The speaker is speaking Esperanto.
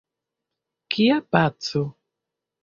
Kia paco?